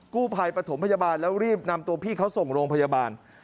กู้ภัยปฐมพยาบาลแล้วรีบนำตัวพี่เขาส่งโรงพยาบาล